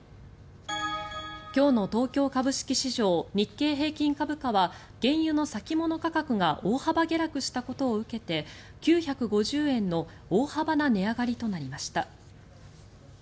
今日の東京株式市場日経平均株価は原油の先物価格が大幅下落したことを受けて９５０円の大幅な値上がりとなりました。